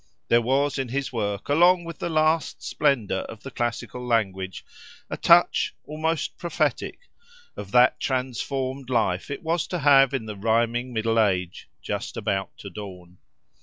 There was in his work, along with the last splendour of the classical language, a touch, almost prophetic, of that transformed life it was to have in the rhyming middle age, just about to dawn.